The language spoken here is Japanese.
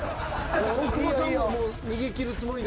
大久保さんももう逃げ切るつもりだ。